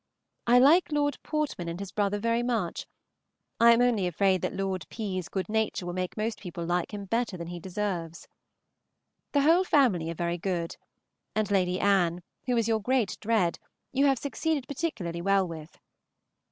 I like Lord Portman and his brother very much. I am only afraid that Lord P.'s good nature will make most people like him better than he deserves. The whole family are very good; and Lady Anne, who was your great dread, you have succeeded particularly well with.